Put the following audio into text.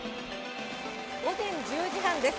午前１０時半です。